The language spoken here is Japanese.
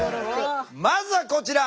まずはこちら！